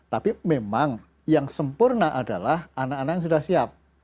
tapi memang yang sempurna adalah anak anak yang sudah siap